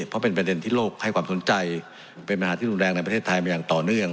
เพราะเป็นประเด็นที่โลกให้ความสนใจเป็นปัญหาที่รุนแรงในประเทศไทยมาอย่างต่อเนื่อง